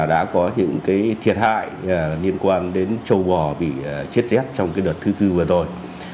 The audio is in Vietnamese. đã có những thiệt hại liên quan đến châu bò bị chết rét trong đợt thứ tư vừa rồi